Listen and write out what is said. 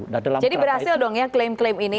jadi berhasil dong ya klaim klaim ini ya